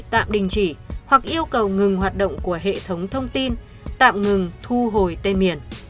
tạm đình chỉ hoặc yêu cầu ngừng hoạt động của hệ thống thông tin tạm ngừng thu hồi tên miền